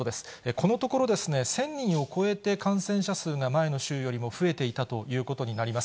このところ、１０００人を超えて感染者数が前の週よりも増えていたということになります。